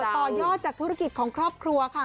ต่อยอดจากธุรกิจของครอบครัวค่ะ